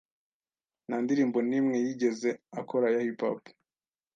nta ndirimbo nimwe yigeze akora ya Hip Hop